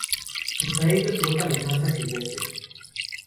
Junto a ellos brotan las zarzas silvestres.